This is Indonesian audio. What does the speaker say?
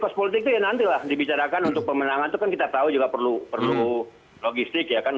kos politik itu ya nantilah dibicarakan untuk pemenangan itu kan kita tahu juga perlu logistik ya kan